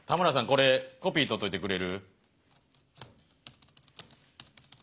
これコピーとっといてくれる？